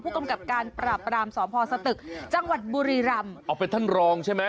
กำกับการปราบรามสพสตึกจังหวัดบุรีรำเอาเป็นท่านรองใช่ไหม